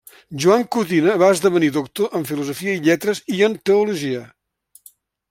Joan Codina va esdevenir doctor en Filosofia i Lletres i en Teologia.